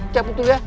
siaput dulu ya